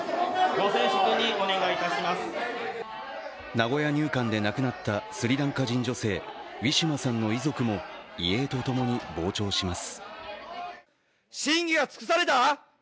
名古屋入管で亡くなったスリランカ人女性・ウィシュマさんの遺族も遺影とともに傍聴します。